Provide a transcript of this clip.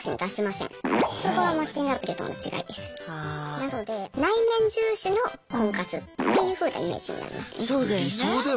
なので「内面重視」の婚活っていうふうなイメージになりますね。